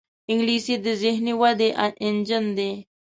انګلیسي د ذهني ودې انجن دی